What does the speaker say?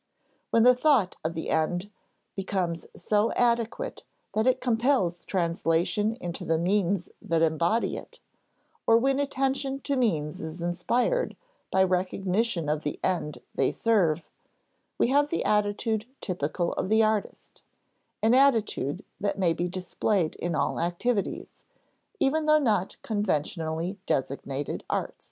When the thought of the end becomes so adequate that it compels translation into the means that embody it, or when attention to means is inspired by recognition of the end they serve, we have the attitude typical of the artist, an attitude that may be displayed in all activities, even though not conventionally designated arts.